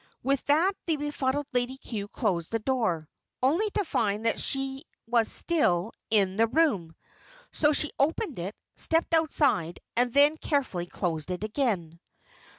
With that the befuddled Lady Cue closed the door, only to find she was still in the room. So, she opened it, stepped outside, and then carefully closed it again.